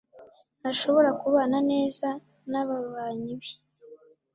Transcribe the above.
ntashobora kubana neza nababanyi be